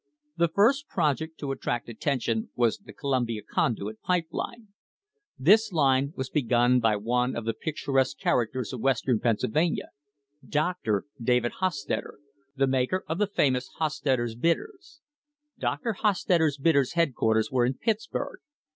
The first project to attract attention was the Columbia Conduit Pipe Line. This line was begun by one of the pictur THE HISTORY OF THE STANDARD OIL COMPANY csque characters of Western Pennsylvania, "Dr." David Hos tetter, the maker of the famous Hostetter's Bitters. Dr. Hos tetter's Bitters' headquarters were in Pittsburg.